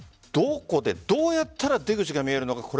どこでどうやったら出口が見えるのか